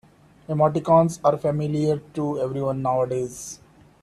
Emoticons are familiar to everyone nowadays.